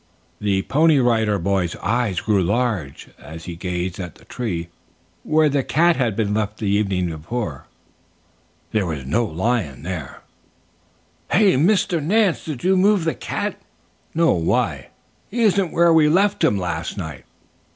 The Pony Rider boy's eyes grew large as he gazed at the tree where the cat had been left the evening before. There was no lion there. "Hey, Mr. Nance, did you move the cat?" "No. Why?" "He isn't where we left him last night."